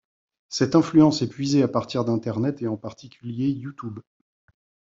Cette influence est puisée à partir d'Internet et, en particulier, YouTube.